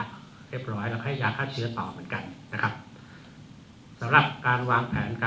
เรียบร้อยแล้วไข้ได้ถ่ายเผลือต่อเหมือนกัน